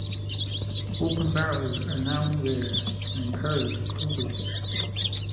Open barrens are now rare and imperiled globally.